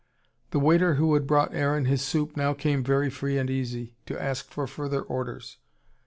The waiter who had brought Aaron his soup now came very free and easy, to ask for further orders.